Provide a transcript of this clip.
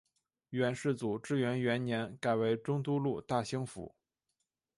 元世祖至元元年改为中都路大兴府。